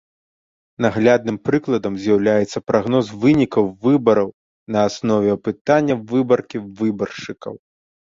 Наглядным прыкладам з'яўляецца прагноз вынікаў выбараў на аснове апытання выбаркі выбаршчыкаў.